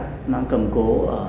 nó mang cầm cố